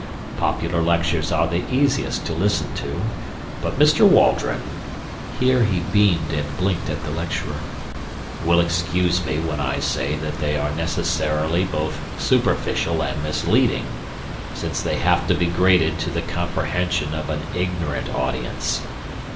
Popular lectures are the easiest to listen to, but Mr. Waldron" (here he beamed and blinked at the lecturer) "will excuse me when I say that they are necessarily both superficial and misleading, since they have to be graded to the comprehension of an ignorant audience."